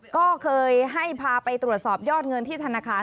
ก็เคยให้พาไปตรวจสอบยอดเงินที่ธนาคาร